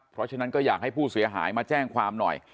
เพราะฉะนั้นก็อยากให้ผู้เสียหายมาแจ้งความหน่อย